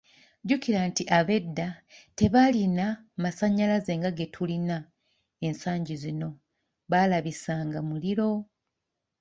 Jjukira nti ab’edda tebaalina masannyalaze nga ge tulina ensangi zino, baalabisanga muliro.